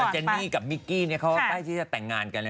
เจนมีกับมิกคิเนี่ยเกราะใต้ที่จะแต่งงานกันเลยนะ